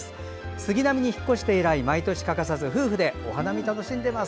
杉並に引っ越して以来毎年、欠かさず夫婦でお花見を楽しんでいます。